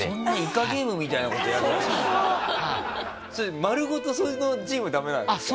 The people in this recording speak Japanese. それ丸ごとそのチームダメなんですか？